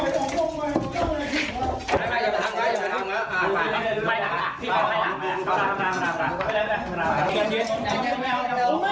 นั่นอยู่นั่นอยู่แล้วไหมนั่นอยู่